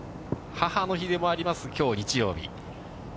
母の日でもあります、きょう日曜日。